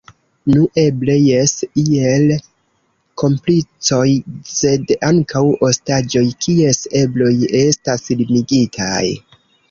Nu, eble jes, iel komplicoj sed ankaŭ ostaĝoj kies ebloj estas limigitaj.